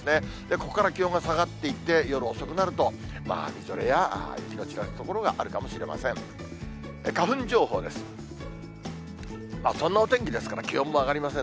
ここから気温が下がっていって、夜遅くなると、みぞれや雪のちらつく所があるかもしれません。